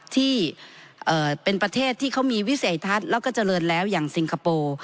ที่เป็นประเทศที่เขามีวิสัยทัศน์แล้วก็เจริญแล้วอย่างซิงคโปร์